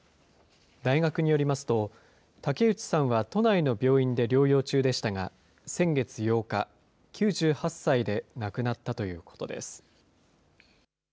大学によりますと、竹内さんは都内の病院で療養中でしたが、先月８日、９８歳で亡くなったということです。